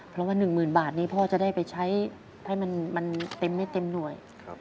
เพราะว่า๑๐๐๐บาทนี้พ่อจะได้ไปใช้ให้มันเต็มไม่เต็มหน่วย